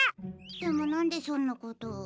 でもなんでそんなことを？